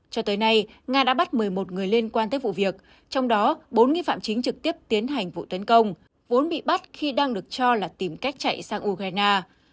cho tới nay nga đã bắt một mươi một người liên quan tới vụ việc trong đó bốn nghi phạm chính trực tiếp tiến hành vụ tấn công vốn bị bắt khi đang được cho là tìm cách chạy sang ukraine